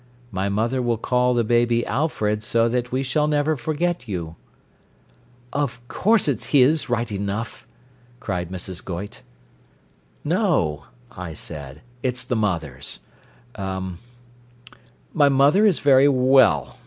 My mother will call the baby Alfred so that we shall never forget you '" "Of course it's his right enough," cried Mrs. Goyte. "No," I said. "It's the mother's. Er 'My mother is very well.